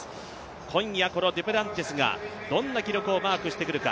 今夜デュプランティスがどんな記録をマークしてくるか。